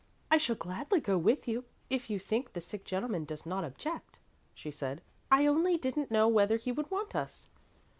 "I shall gladly go with you, if you think the sick gentleman does not object," she said; "I only didn't know whether he would want us."